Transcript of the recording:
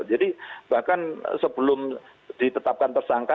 jadi bahkan sebelum ditetapkan tersangka